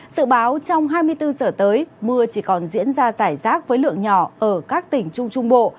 sự báo trong hai mươi bốn giờ tới mưa chỉ còn diễn ra giải rác với lượng nhỏ ở các tỉnh trung trung bộ